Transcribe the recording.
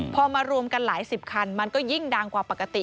พอมารวมกันหลายสิบคันมันก็ยิ่งดังกว่าปกติ